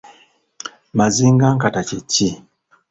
Mazingankata kye ki?